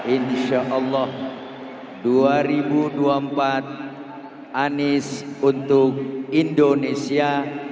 insya allah dua ribu dua puluh empat anies untuk indonesia